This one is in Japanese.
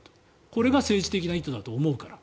これが政治的な意図だと思うから。